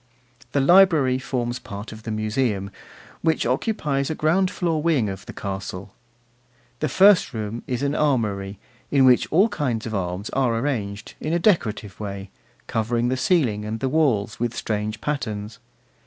The library forms part of the Museum, which occupies a ground floor wing of the castle. The first room is an armoury, in which all kinds of arms are arranged, in a decorative way, covering the ceiling and the walls with strange patterns.